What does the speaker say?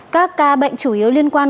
các ca bệnh chủ yếu liên quan